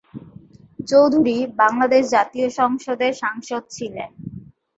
চৌধুরী বাংলাদেশ জাতীয় সংসদের সাংসদ ছিলেন।